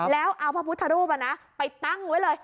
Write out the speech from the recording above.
แล้วเอาพระพุทธรูปไปตั้งไว้เลย